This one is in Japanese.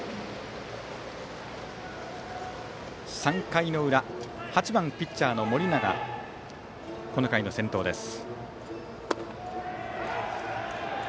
３回の裏８番ピッチャーの盛永がこの回の先頭です。